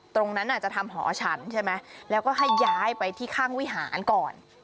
ตรงนั้นจะทำหอฉันใช่ไหมแล้วก็ให้ย้ายไปที่ข้างวิหารก่อน